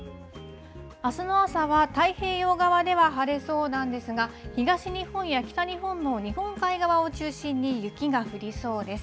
あすの朝は太平洋側では晴れそうなんですが、東日本や北日本の日本海側を中心に雪が降りそうです。